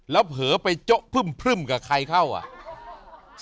แล้วเผลอไปโจ๊ะพรึ่มกับใครเข้าอ่ะ